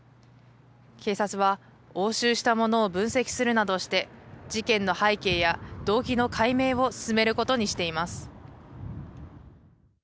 警察は、押収したものを分析するなどして、事件の背景や動機の解明を進めることにしています。